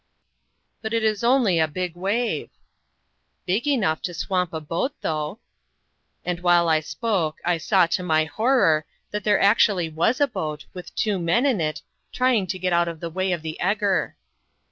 "But it is only a big wave." "Big enough to swamp a boat, though." And while I spoke I saw, to my horror, that there actually was a boat, with two men in it, trying to get out of the way of the eger.